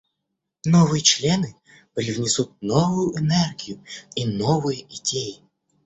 Новые члены привнесут новую энергию и новые идеи.